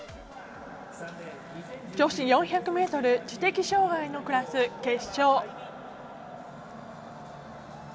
女子４００ｍ知的障がいのクラス決勝。